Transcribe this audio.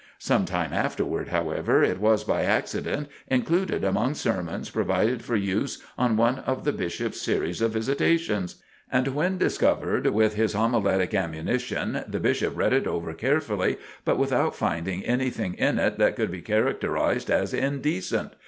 Some time afterward, however, it was by accident included among sermons provided for use on one of the Bishop's series of visitations; and when discovered with his homiletic ammunition, the Bishop read it over carefully but without finding anything in it that could be characterized as indecent.